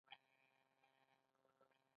ایا زه باید په وردګو کې اوسم؟